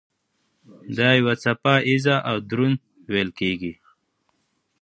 دا یو څپه ایز او دروند ویل کېږي.